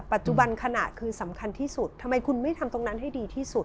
ขณะคือสำคัญที่สุดทำไมคุณไม่ทำตรงนั้นให้ดีที่สุด